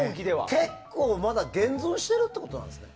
結構まだ現存してるってことなんですか？